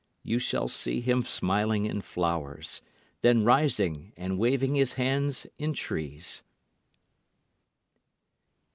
You shall see Him smiling in flowers, then rising and waving His hands in trees.